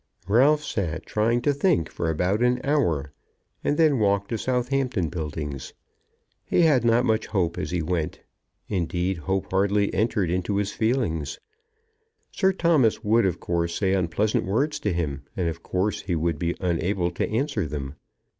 Ralph sat trying to think for about an hour, and then walked to Southampton Buildings. He had not much hope as he went. Indeed hope hardly entered into his feelings. Sir Thomas would of course say unpleasant words to him, and of course he would be unable to answer them.